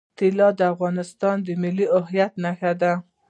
طلا د افغانستان د ملي هویت نښه ده.